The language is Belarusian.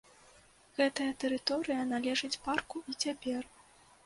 Гэтая тэрыторыя належыць парку і цяпер.